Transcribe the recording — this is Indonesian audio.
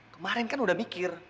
kemarin kan udah mikir